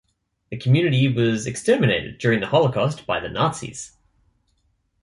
The community was exterminated during the Holocaust by the Nazis.